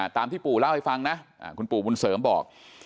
ตามที่ปู่เล่าให้ฟังนะคุณปู่บุญเสริมบอก